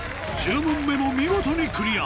１０問目も見事にクリア